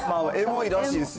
エモいらしいですよ。